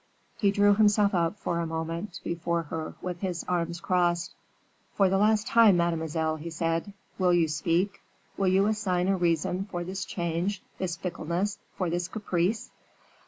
He drew himself up, for a moment, before her, with his arms crossed. "For the last time, mademoiselle," he said, "will you speak? Will you assign a reason for this change, this fickleness, for this caprice?"